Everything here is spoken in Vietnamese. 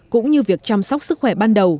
cũng như việc chăm sóc sức khỏe ban đầu